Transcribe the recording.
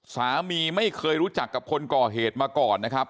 สามีไม่เคยรู้จักกับคนก่อเหตุมาก่อนนะครับ